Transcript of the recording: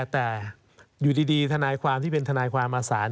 แต่อยู่ดีทนายความที่เป็นทนายความมาสาร